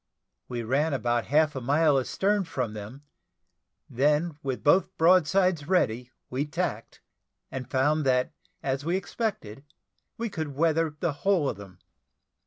We ran about half a mile astern from them; then with both broadsides ready, we tacked, and found that, as we expected, we could weather the whole of them.